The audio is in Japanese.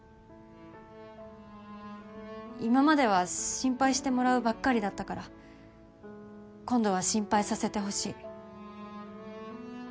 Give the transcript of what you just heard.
今までは心配してもらうばっかりだったから今度は心配させてほしい。